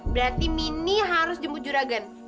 berarti mini harus jemput juragan